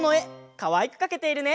かわいくかけているね！